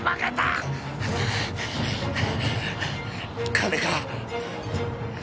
金か？